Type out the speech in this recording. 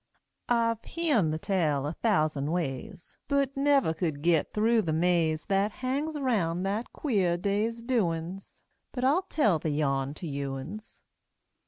I've heern the tale a thousand ways, But never could git through the maze That hangs around that queer day's doin's; But I'll tell the yarn to youans.